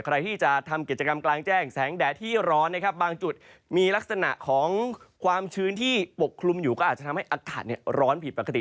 ใครที่จะทำกิจกรรมกลางแจ้งแสงแดดที่ร้อนนะครับบางจุดมีลักษณะของความชื้นที่ปกคลุมอยู่ก็อาจจะทำให้อากาศร้อนผิดปกติ